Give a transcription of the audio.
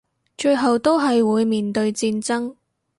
最後都係會面對戰爭